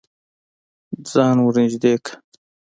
ځان ور نږدې که.